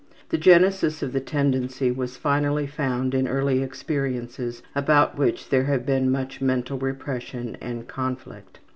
The genesis of the tendency was finally found in early experiences about which there have been much mental repression and conflict.